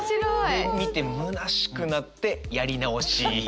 で見てむなしくなってやりなおしー。